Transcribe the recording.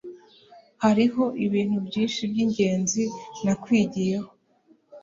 hariho ibintu byinshi byingenzi nakwigiyeho